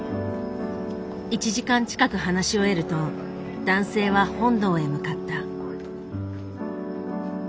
１時間近く話し終えると男性は本堂へ向かった。